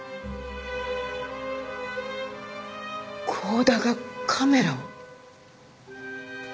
光田がカメラを？